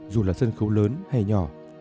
dù là sân khấu lớn hay nhỏ